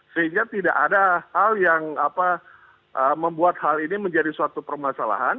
sehingga tidak ada hal yang membuat hal ini menjadi suatu permasalahan